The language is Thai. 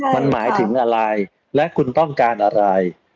มันหมายถึงอะไรและคุณต้องการอะไร